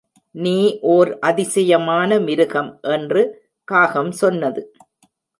நீ ஓர் அதிசயமான மிருகம் என்று காகம் சொன்னது.